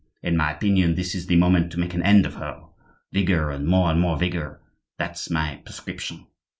"In my opinion, this is the moment to make an end of her. Vigor, and more and more vigor! that's my prescription!"